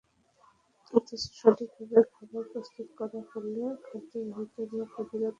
অথচ সঠিকভাবে খাবার প্রস্তুত করা হলে খাদ্যবাহিত রোগ প্রতিরোধ অনেকটাই সম্ভব।